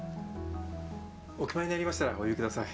お決まりになりましたらお呼びください。